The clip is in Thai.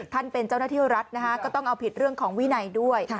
เป็นเจ้าหน้าที่รัฐนะคะก็ต้องเอาผิดเรื่องของวินัยด้วย